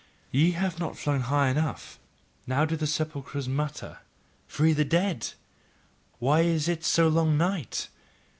Ye have not flown high enough: now do the sepulchres mutter: "Free the dead! Why is it so long night?